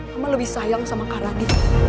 mama lebih sayang sama kak radit